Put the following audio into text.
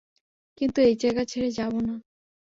কিন্তু এই জায়গা ছেড়ে যাবো না।